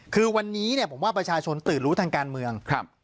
คือวันนี้เนี่ยผมว่าประชาชนตื่นรู้ทางการเมืองครับ